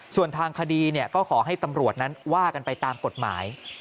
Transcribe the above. ส่วนทางคดีก็ขอให้ตำรวจนั้นว่ากันไปตามกฎหมาย